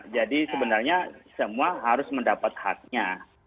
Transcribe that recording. jadi sebenarnya semua harus mendapat haknya